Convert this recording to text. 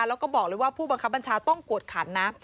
แล้วก็บอกเลยว่าผู้บังคับบัญชาต้องกวดขันนะ